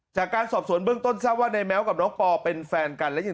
จากการสอบสวนเบื้องต้นทราบว่าในแม้วกับน้องปอเป็นแฟนกันและยิน